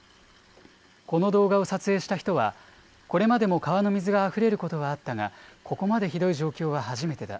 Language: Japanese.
この動画を撮影した人は、これまでも川の水があふれることはあったが、ここまでひどい状況は初めてだ。